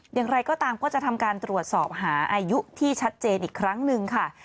อย่างไรก็ตามก็จะทำการตรวจสอบหาอายุที่ชัดเจนอีกครั้งหนึ่งค่ะ